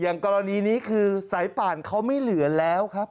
กรณีนี้คือสายป่านเขาไม่เหลือแล้วครับ